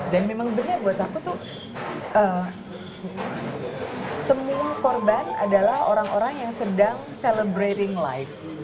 dan memang benar buat aku tuh semua korban adalah orang orang yang sedang celebrating life